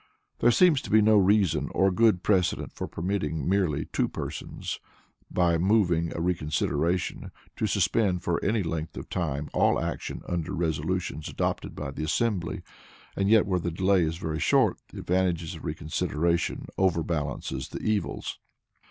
There seems to be no reason or good precedent for permitting merely two persons, by moving a reconsideration, to suspend for any length of time all action under resolutions adopted by the assembly, and yet where the delay is very short the advantages of reconsideration overbalance the evils.